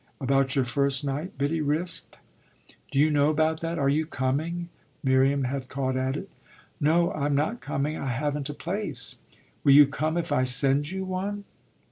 "About your first night?" Biddy risked. "Do you know about that are you coming?" Miriam had caught at it. "No, I'm not coming I haven't a place." "Will you come if I send you one?"